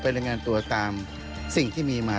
รายงานตัวตามสิ่งที่มีมา